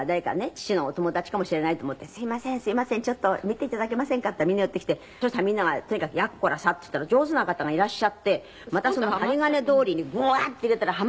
父のお友達かもしれないと思って「すみませんすみませんちょっと見ていただけませんか？」って言ったらみんな寄ってきてそしたらみんながとにかく「やっこらさ」って言ったら上手な方がいらっしゃってまたその針金どおりにグワッて入れたらはまったの。